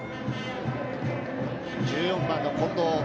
１４番の近藤。